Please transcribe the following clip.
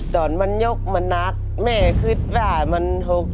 ตอนมันยกมันหนักแม่คิดว่ามัน๖๐